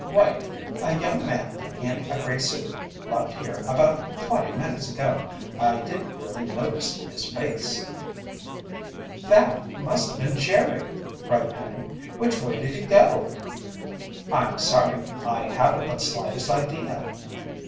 "Wait! A young man in a gray suit left here about twenty minutes ago. I didn't really notice his face." "That must have been Jerry!" cried Penny. "Which way did he go?" "I'm sorry, I haven't the slightest idea."